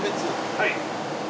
はい。